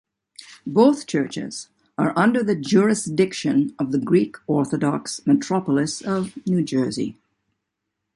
Both churches are under the jurisdiction of the Greek Orthodox Metropolis of New Jersey.